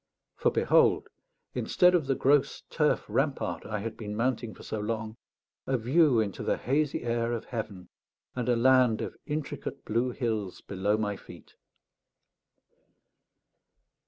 For behold, instead of the gross turf rampart I had been mounting for so long, a view into the hazy air of heaven, and a land of intricate blue hills below my feet.